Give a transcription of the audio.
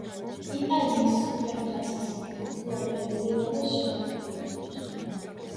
იტალიის სუპერთასის მფლობელი „მილანის“ შემადგენლობაში.